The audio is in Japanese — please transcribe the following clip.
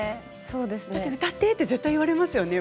でも歌ってって絶対言われますよね。